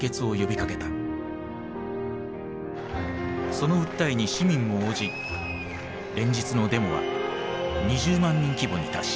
その訴えに市民も応じ連日のデモは２０万人規模に達した。